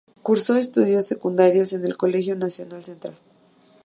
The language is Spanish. Cursó estudios secundarios en el Colegio Nacional Central.